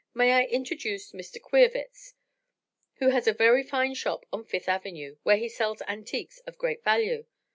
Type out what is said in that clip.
May I introduce Mr. Queerwitz, who has a very fine shop on Fifth Avenue, where he sells antiques of great value?